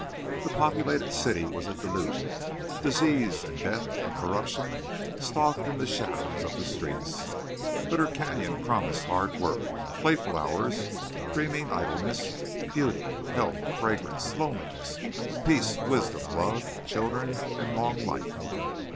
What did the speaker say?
The populated city was a delusion. Disease and death and corruption stalked in the shadows of the streets. But her canyon promised hard work, playful hours, dreaming idleness, beauty, health, fragrance, loneliness, peace, wisdom, love, children, and long life.